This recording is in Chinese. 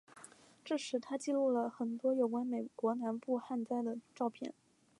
这时他记录了很多有关美国南部旱灾的照片。